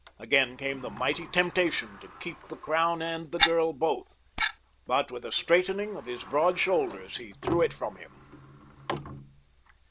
Again came the mighty temptation to keep the crown and the girl both; but with a straightening of his broad shoulders he threw it from him.